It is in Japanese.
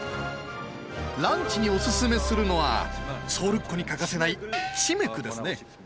ランチにおススメするのはソウルっ子に欠かせないチメクですね。